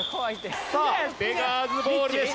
さあベガーズボールです。